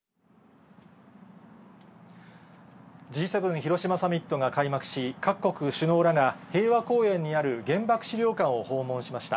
Ｇ７広島サミットが開幕し、各国首脳らが平和公園にある原爆資料館を訪問しました。